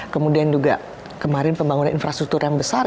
kemudian juga kemarin pembangunan infrastruktur yang besar